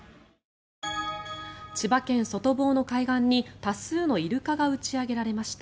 千葉県外房の海岸に多数のイルカが打ち上げられました。